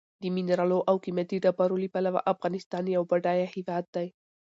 د منرالو او قیمتي ډبرو له پلوه افغانستان یو بډایه هېواد دی.